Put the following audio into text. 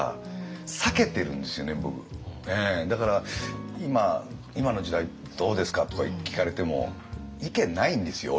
だから今「今の時代どうですか？」とか聞かれても意見ないんですよ